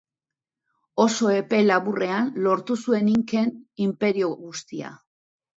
Oso epe laburrean lortu zuen inken inperio guztia.